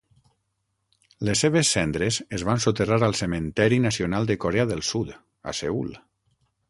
Les seves cendres es van soterrar al Cementeri Nacional de Corea del Sud a Seül.